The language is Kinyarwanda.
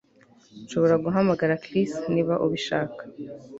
Nshobora guhamagara Chris niba ubishaka